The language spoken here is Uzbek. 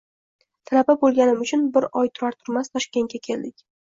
Talaba bo`lganim uchun, bir oy turar-turmas, Toshkentga keldik